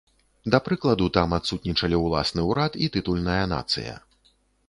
Да прыкладу там адсутнічалі ўласны ўрад і тытульная нацыя.